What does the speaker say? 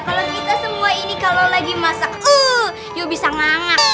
kalau kita semua ini kalau lagi masak you bisa ngangat